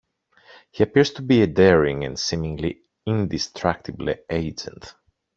He appears to be a daring and seemingly indestructible agent.